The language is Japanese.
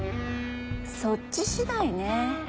そっち次第ね。